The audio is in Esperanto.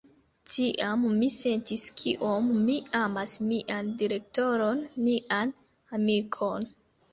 Tiam, mi sentis kiom mi amas mian direktoron, mian amikon.